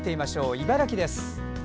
茨城です。